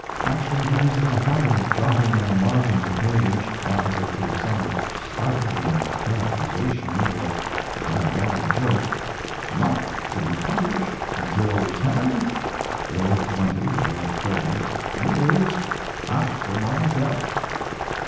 Actually, he was in the habit of jotting on the margin of the page, opposite to some startling characterization or diabolic joke: "Not to be published until ten (or twenty, or thirty) years after my death."